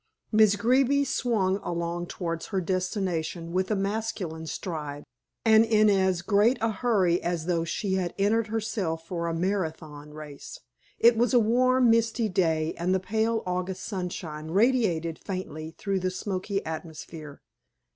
Miss Greeby swung along towards her destination with a masculine stride and in as great a hurry as though she had entered herself for a Marathon race. It was a warm, misty day, and the pale August sunshine radiated faintly through the smoky atmosphere.